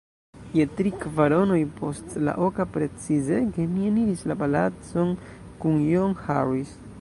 Je tri kvaronoj post la oka, precizege, mi eniris la palacon kun John Harris.